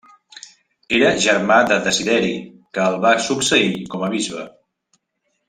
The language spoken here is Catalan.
Era germà de Desideri, que el va succeir com a bisbe.